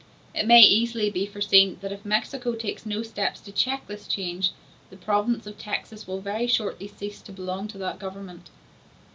It may easily be foreseen that if Mexico takes no steps to check this change, the province of Texas will very shortly cease to belong to that government.